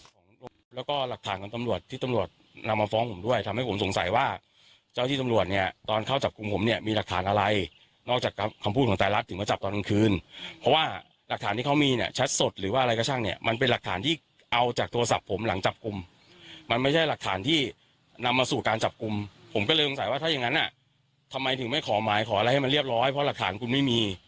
ทำไมถึงไม่ขอหมายขออะไรให้มันเรียบร้อยเพราะหลักฐานคุณไม่มี